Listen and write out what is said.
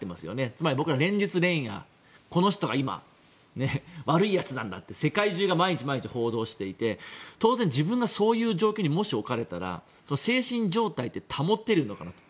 つまり今、連日連夜この人が今、悪いやつなんだって世界中が毎日、毎日報道していて当然、自分がそういう状況にもし置かれたら精神状態って保てるのかなと。